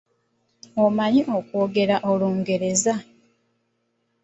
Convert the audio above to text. Omanyi okwogera Olungereza?